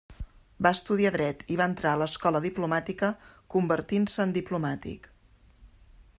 Va estudiar dret i va entrar a l'Escola Diplomàtica convertint-se en diplomàtic.